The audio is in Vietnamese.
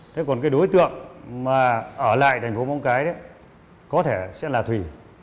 thế còn đối tượng ở lại thành phố móng cái có thể sẽ là thùy